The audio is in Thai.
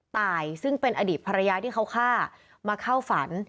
ตายซึ่งเป็นอดีตภรรยาที่เขาฆ่ามาเข้าฝัน